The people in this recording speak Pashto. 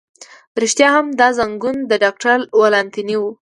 رښتیا هم، دا زنګون د ډاکټر ولانتیني و.